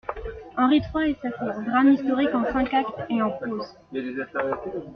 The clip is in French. =Henri trois et sa cour.= Drame historique en cinq actes et en prose.